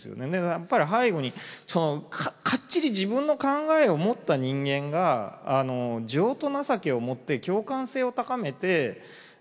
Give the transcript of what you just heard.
やっぱり背後にかっちり自分の考えを持った人間が情と情けを持って共感性を高めて生きていく姿。